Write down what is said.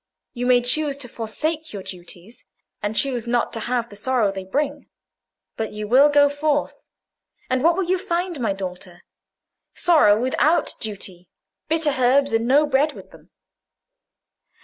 You may choose to forsake your duties, and choose not to have the sorrow they bring. But you will go forth; and what will you find, my daughter? Sorrow without duty—bitter herbs, and no bread with them."